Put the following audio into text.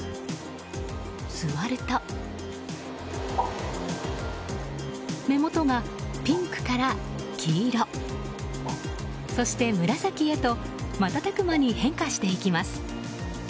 座ると目元がピンクから黄色そして紫へと瞬く間に変化していきます。